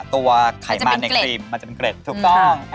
ไขมันในครีมมันจะเป็นเกร็ดถูกต้อง